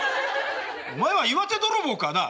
お前は岩手泥棒かなあ。